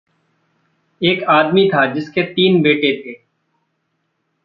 एक आदमी था जिसके तीन बेटे थे।